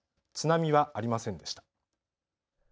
津波はありませんでした。